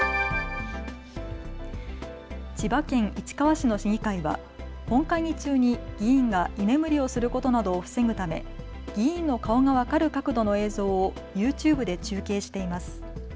千葉県市川市の市議会は本会議中に議員が居眠りをすることなどを防ぐため議員の顔が分かる角度の映像をＹｏｕＴｕｂｅで中継しています。